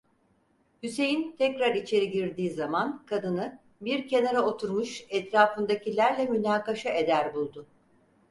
Hüseyin tekrar içeri girdiği zaman kadını, bir kenara oturmuş, etrafındakilerle münakaşa eder buldu.